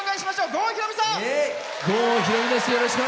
郷ひろみさん。